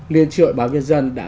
liên triệu hội báo nhân dân đã